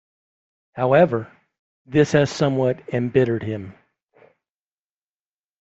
However, this has somewhat embittered him.